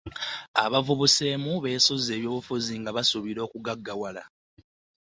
Abavubuseemu beesozze eby'obufuzi nga basuubira okugaggawala.